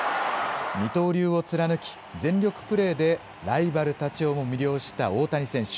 二刀流を貫き、全力プレーでライバルたちをも魅了した大谷選手。